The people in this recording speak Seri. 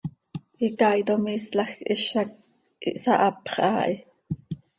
Icaaitom iislajc hizac ihsahapx haa hi.